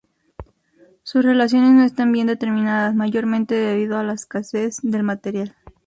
Sus relaciones no están bien determinadas, mayormente debido a la escasez del material.